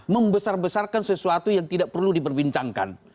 membesar besarkan sesuatu yang tidak perlu diperbincangkan